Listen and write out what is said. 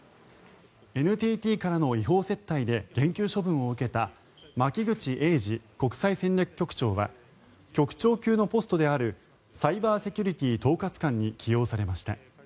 ＮＴＴからの違法接待で減給処分を受けた巻口英司国際戦略局長は局長級のポストであるサイバーセキュリティ統括官に起用されました。